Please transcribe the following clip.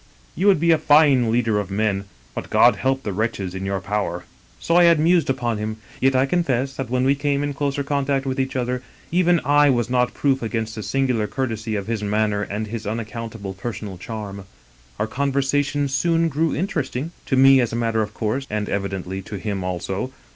You would be a fine leader of men — ^but God help the wretches in your power !" So had I mused upon him. Yet I confess that when we came in closer contact with each other, even I was not proof against the singular courtesy of his manner and his unaccountable personal charm. '* Our conversation soon grew interesting ; to me as a matter of course, and evidently to him also.